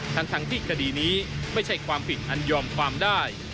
ทั้งที่คดีนี้ไม่ใช่ความผิดอันยอมความได้